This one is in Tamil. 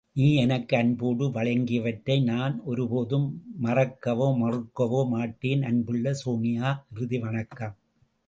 நீ எனக்கு அன்போடு வழங்கியவற்றை நான் ஒரு போதும் மறக்கவோ, மறுக்கவோ மாட்டேன். அன்புள்ள சோன்யா, இறுதி வணக்கம்.